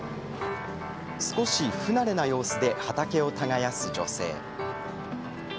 少し不慣れな様子で畑を耕す女性。